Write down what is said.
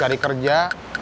ya kasihaksi saja bu bet